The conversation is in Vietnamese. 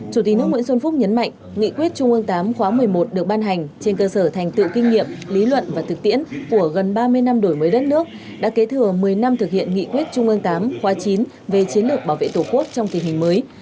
chủ tịch nước nguyễn xuân phúc nhấn mạnh nghị quyết trung ương viii khóa một mươi một được ban hành trên cơ sở thành tựu kinh nghiệm lý luận và thực tiễn của gần ba mươi năm đổi mới đất nước đã kế thừa một mươi năm thực hiện nghị quyết trung ương tám khóa chín về chiến lược bảo vệ tổ quốc trong tình hình mới